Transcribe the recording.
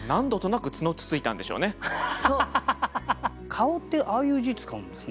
「貌」ってああいう字使うんですね。